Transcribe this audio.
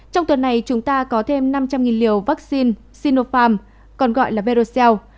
trong tuần này chúng ta có thêm năm trăm linh liều vaccine sinopharm còn gọi là vercel